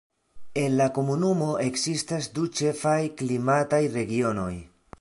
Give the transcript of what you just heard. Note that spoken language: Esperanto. En la komunumo ekzistas du ĉefaj klimataj regionoj.